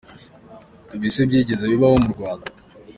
Ibi se byigeze bibaho mu Rwanda?